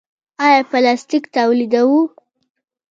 آیا پلاستیک تولیدوو؟